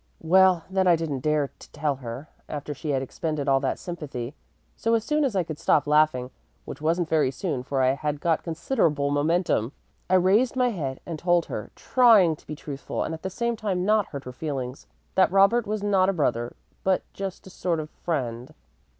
Well, then I didn't dare to tell her, after she had expended all that sympathy; so as soon as I could stop laughing (which wasn't very soon, for I had got considerable momentum) I raised my head and told her trying to be truthful and at the same time not hurt her feelings that Robert was not a brother, but just a sort of friend.